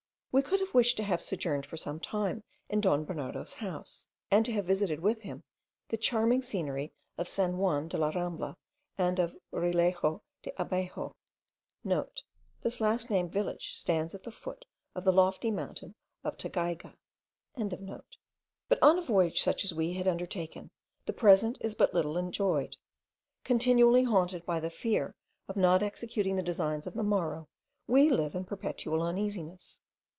We could have wished to have sojourned for some time in Don Bernardo's house, and to have visited with him the charming scenery of St. Juan de la Rambla and of Rialexo de Abaxo.* (* This last named village stands at the foot of the lofty mountain of Tygayga.) But on a voyage such as we had undertaken, the present is but little enjoyed. Continually haunted by the fear of not executing the designs of the morrow, we live in perpetual uneasiness.